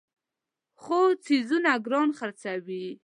خو څیزونه ګران خرڅوي.